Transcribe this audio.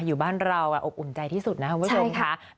อยู่บ้านเราอบอุ่นใจที่สุดนะคะว่าชมค่ะ